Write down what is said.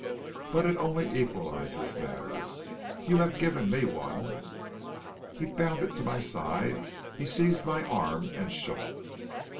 'But it only equalizes matters; you have given me one.' "He bounded to my side; he seized my arm and shook it.